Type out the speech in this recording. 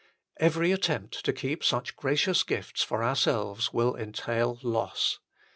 Every attempt to keep such gracious gifts for ourselves will entail loss.